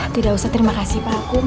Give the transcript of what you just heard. saya harus terima kasih pak kum